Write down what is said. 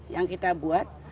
yang kita buat